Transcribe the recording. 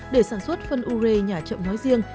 để sản xuất phân lưu rê nhả chậm nói riêng